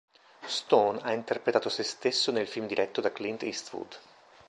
Stone ha interpretato se stesso nel film diretto da Clint Eastwood.